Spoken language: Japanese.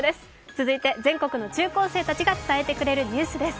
続いて全国の中高生たちが伝えてくれるニュースです。